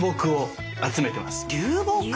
流木⁉